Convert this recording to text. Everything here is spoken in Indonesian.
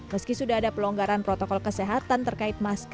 meski sudah ada pelonggaran protokol kesehatan terkait masker